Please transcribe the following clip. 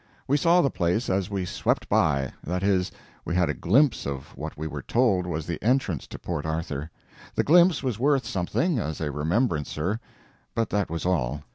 We saw the place as we swept by that is, we had a glimpse of what we were told was the entrance to Port Arthur. The glimpse was worth something, as a remembrancer, but that was all.